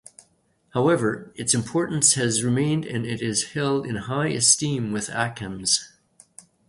However, its importance has remained and it is held in high esteem with Akans.